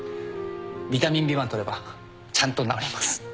ビタミン Ｂ１ 取ればちゃんと治ります